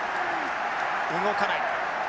動かない。